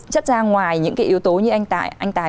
chất ra ngoài những yếu tố như anh tài